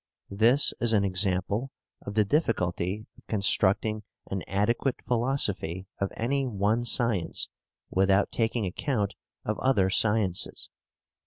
This is an example of the difficulty of constructing an adequate philosophy of any one science without taking account of other sciences.